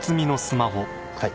はい。